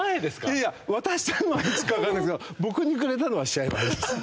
いやいや渡したのはいつかわかんないですけど僕にくれたのは試合前でした。